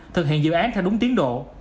thực hiện dự án theo đúng tiến độ